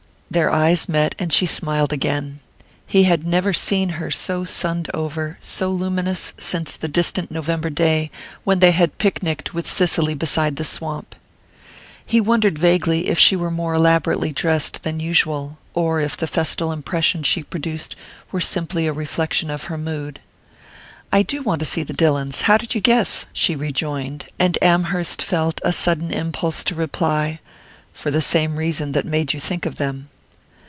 Their eyes met, and she smiled again. He had never seen her so sunned over, so luminous, since the distant November day when they had picnicked with Cicely beside the swamp. He wondered vaguely if she were more elaborately dressed than usual, or if the festal impression she produced were simply a reflection of her mood. "I do want to see the Dillons how did you guess?" she rejoined; and Amherst felt a sudden impulse to reply: "For the same reason that made you think of them."